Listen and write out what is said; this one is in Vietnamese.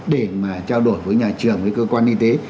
để mà trao đổi với nhà trường với cơ quan y tế